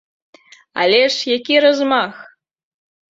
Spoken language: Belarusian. Але ж які размах!